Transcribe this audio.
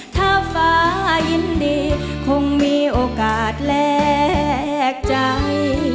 ถ้าฟ้ายินดีคงมีโอกาสแลกใจ